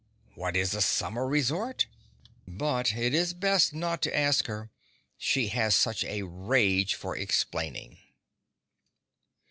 What is a summer resort? But it is best not to ask her, she has such a rage for explaining.